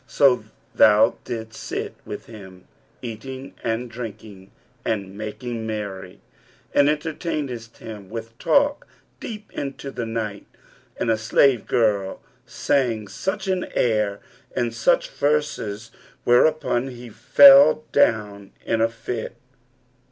So thou didst sit with him, eating and drinking and making merry, and entertainedst him with talk deep into the night and a slave girl sang such an air and such verses, whereupon he fell down in a fit.'